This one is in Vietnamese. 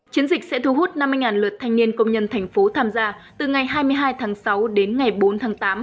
chiến dịch sẽ thu hút năm mươi lượt thanh niên công nhân thành phố tham gia từ ngày hai mươi hai tháng sáu đến ngày bốn tháng tám